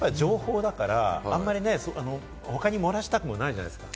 値段って情報だから他に漏らしたくないじゃないですか。